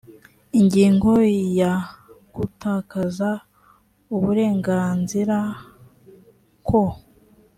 ingingo ya gutakaza uburenganzira kwo